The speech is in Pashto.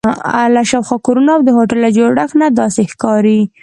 له شاوخوا کورونو او د هوټل له جوړښت نه داسې ښکاري.